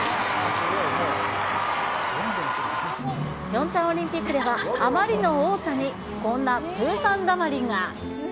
ピョンチャンオリンピックでは、あまりの多さに、こんなプーさんだまりが。